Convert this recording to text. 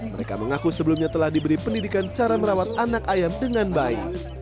mereka mengaku sebelumnya telah diberi pendidikan cara merawat anak ayam dengan baik